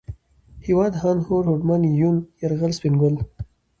هېواد ، هاند ، هوډ ، هوډمن ، يون ، يرغل ، سپين ګل